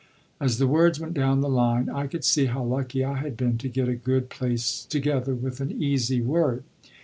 As the words went down the line, I could see how lucky I had been to get a good place together with an easy word.